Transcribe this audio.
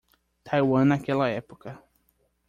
Taiwan naquela época